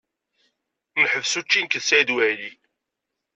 Neḥbes učči nekk d Saɛid Waɛli.